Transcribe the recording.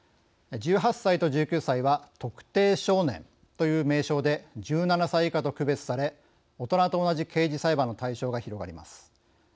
１８歳と１９歳は特定少年という名称で１７歳以下と区別され大人と同じ刑事裁判の対象が広がります。